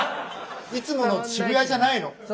いつもの渋谷じゃないの？